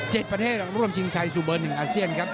เจ็ดประเทศร่วมชิงชัยสู่เบอร์๑อาเซียนครับ